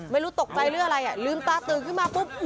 ไม่รู้ตกใจหรืออะไรอ่ะลืมตาตื่นขึ้นมาปุ๊บ